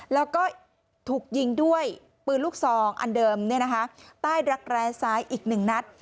แล้วก็ถูกยิงด้วยปืนลูกซองอันเดิมใต้รักแร้ซ้ายอีก๑นัด